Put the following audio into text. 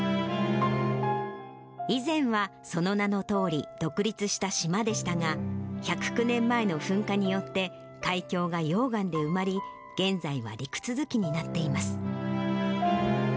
以前はその名のとおり、独立した島でしたが、１０９年前の噴火によって、海峡が溶岩で埋まり、現在は陸続きになっています。